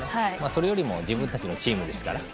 それよりも自分たちのチームですから。